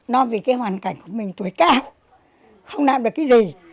non vì cái hoàn cảnh của mình tuổi cao không làm được cái gì